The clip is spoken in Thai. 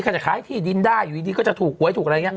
จะขายที่ดินได้อยู่ดีก็จะถูกหวยถูกอะไรอย่างนี้